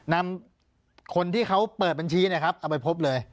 นำคนที่เขาเปิดบัญชีเนี่ยครับเอาไปพบเลย